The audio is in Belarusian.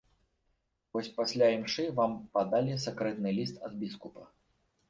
Вось пасля імшы вам падалі сакрэтны ліст ад біскупа.